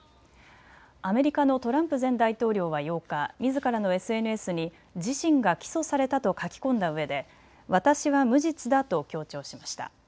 アメリカのトランプ前大統領は８日、みずからのＳＮＳに自身が起訴されたと書き込んだうえで私は無実だと強調しました。